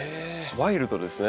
ワイルドですね。